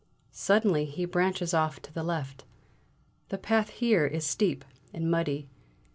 Suddenly he branches off to the left; the path here is steep and muddy.